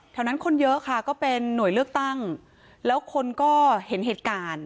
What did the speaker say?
นั้นคนเยอะค่ะก็เป็นหน่วยเลือกตั้งแล้วคนก็เห็นเหตุการณ์